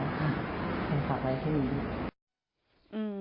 อย่างสักวันแค่นี้